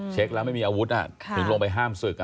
เช็คแล้วไม่มีอาวุธถึงลงไปห้ามศึก